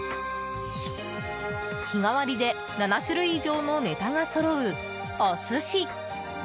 日替わりで７種類以上のネタがそろうお寿司。